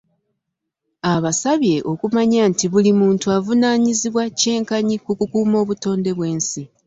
Abasabye okumanya nti buli muntu avunaanyizibwa kyenkanyi ku kukuuma obutonde bw'ensi.